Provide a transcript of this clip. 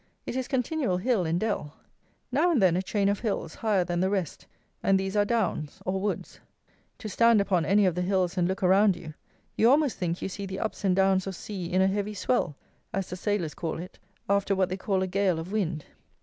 It is continual hill and dell. Now and then a chain of hills higher than the rest, and these are downs, or woods. To stand upon any of the hills and look around you, you almost think you see the ups and downs of sea in a heavy swell (as the sailors call it) after what they call a gale of wind.